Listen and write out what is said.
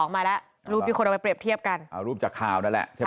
มาแล้วรูปที่คนมาเปรียบเทียบกันรูปต่อข่าวนั่นแหละใช่